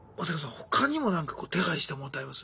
他にもなんかこう手配したものってあります？